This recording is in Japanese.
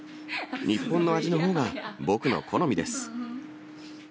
日本の味のほうが僕の好みです。